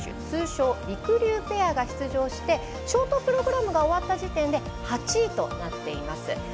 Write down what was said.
通称りくりゅうペアが出場してショートプログラムが終わった時点で８位となっています。